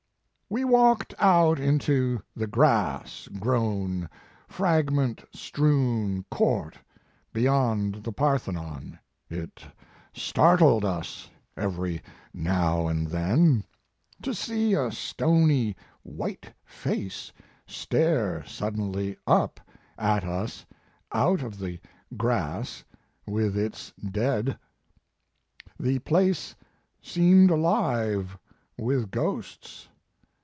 "We walked out into the grass grown, fragment strewn court beyond the Parthe non. It startled us every now and then, to see a stony white face stare suddenly up at us out of the grass with its dead. The place seemed alive with ghosts.